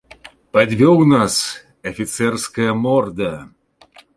Падвёў нас, афіцэрская морда!